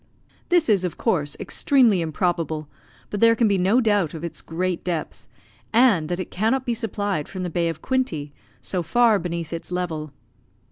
This is, of course, extremely improbable, but there can be no doubt of its great depth, and that it cannot be supplied from the Bay of Quinte, so far beneath its level.